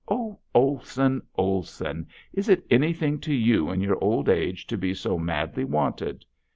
Oh Olson, Olson! Is it anything to you in your old age to be so madly wanted?